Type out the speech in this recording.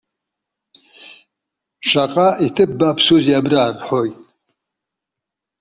Шаҟа иҭыԥ бааԥсузеи абра!- рҳәоит.